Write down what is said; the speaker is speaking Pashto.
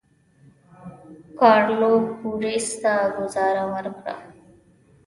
ګارلوک بوریس ته ګوزاره ورکړه.